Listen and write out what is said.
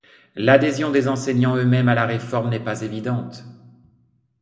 L'adhésion des enseignants eux-mêmes à la réforme n'est pas évidente.